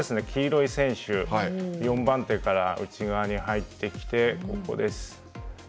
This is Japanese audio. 黄色い選手４番手から内側に入ってきてここです。